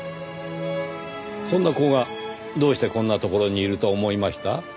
そんな子がどうしてこんな所にいると思いました？